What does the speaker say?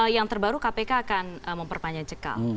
yang terbaru kpk akan memperpanjang cekal